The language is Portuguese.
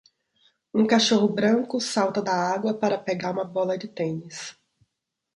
Um cachorro branco salta da água para pegar uma bola de tênis.